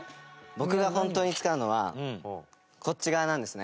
僕が本当に使うのはこっち側なんですね。